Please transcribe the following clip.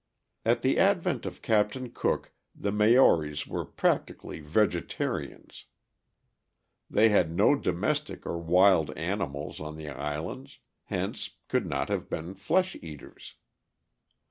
'" At the advent of Captain Cook, the Maoris were practically vegetarians; they had no domestic or wild animals on the islands, hence could not have been flesh eaters.